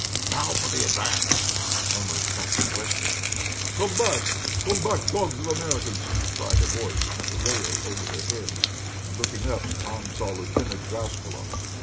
"Now for the Advance!" murmured Captain Weston. "Come back! Come back, dogs of Americans!" cried a voice at the rail over their heads, and looking up, Tom saw Lieutenant Drascalo.